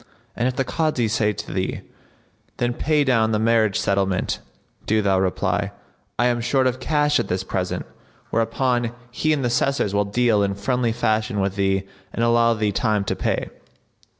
And if the Kazi say to thee, 'Then pay down the marriage settlement,' do thou reply, 'I am short of cash at this present;' whereupon he and the Assessors will deal in friendly fashion with thee and allow thee time to pay."